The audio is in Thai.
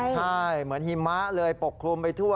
ใช่เหมือนหิมะเลยปกคลุมไปทั่ว